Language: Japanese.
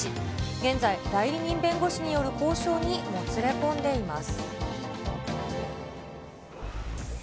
現在、代理人弁護士による交渉にもつれ込んでいます。